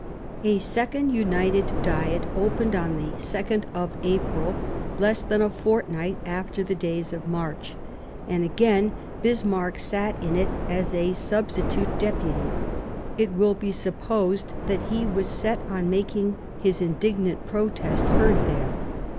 A second United Diet opened on the 2nd of April, less than a fortnight after the days of March, and again Bismarck sat in it as a substitute deputy ; it will be supposed that he was set on having his indignant protest heard there.